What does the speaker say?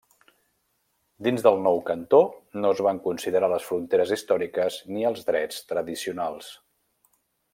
Dins del nou cantó, no es van considerar les fronteres històriques ni els drets tradicionals.